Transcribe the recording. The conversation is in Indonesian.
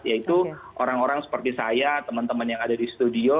yaitu orang orang seperti saya teman teman yang ada di studio